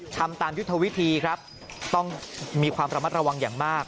ทำตามยุทธวิธีครับต้องมีความระมัดระวังอย่างมาก